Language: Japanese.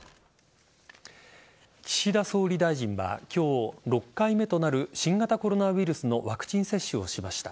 岸田総理大臣は今日６回目となる新型コロナウイルスのワクチン接種をしました。